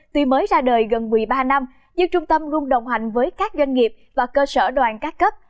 tuy mới ra đời gần một mươi ba năm nhưng trung tâm luôn đồng hành với các doanh nghiệp và cơ sở đoàn các cấp